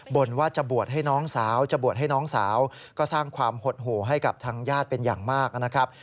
ว่าจะบวชให้น้องสาวจะบวชให้น้องสาวก็สร้างความหดหู่ให้กับทางญาติเป็นอย่างมากนะครับ